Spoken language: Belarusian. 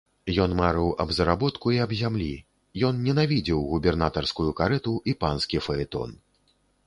Ён марыў аб заработку і аб зямлі, ён ненавідзеў губернатарскую карэту і панскі фаэтон.